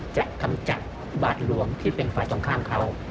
จะทำจากบาดหลวงที่เป็นฝ่ายต่อข้างเขา